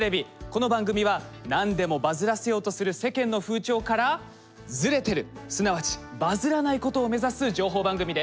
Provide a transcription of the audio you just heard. この番組は何でもバズらせようとする世間の風潮からズレてるすなわちバズらないことを目指す情報番組です。